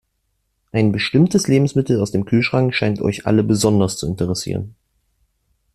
Ein bestimmtes Lebensmittel aus dem Kühlschrank scheint euch alle besonders zu interessieren.